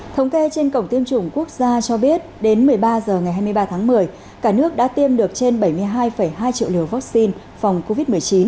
thống kê trên cổng tiêm chủng quốc gia cho biết đến một mươi ba h ngày hai mươi ba tháng một mươi cả nước đã tiêm được trên bảy mươi hai hai triệu liều vaccine phòng covid một mươi chín